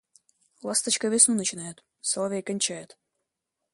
Ласточка весну начинает, соловей кончает.